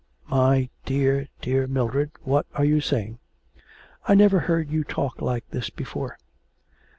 'My dear, dear Mildred, what are you saying? I never heard you talk like this before.